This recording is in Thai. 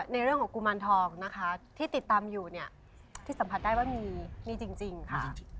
ในเรื่องของกุมารทองนะคะที่ติดตามอยู่เนี่ยที่สัมผัสได้ว่ามีมีจริงค่ะ